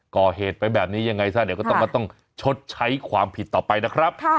ก่อเหตุไปแบบนี้ยังไงต้องชดใช้ความผิดต่อไปนะครับ